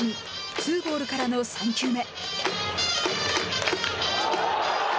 ツーボールからの３球目。